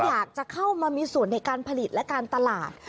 อยากจะเข้ามามีส่วนในการผลิตและการตลาด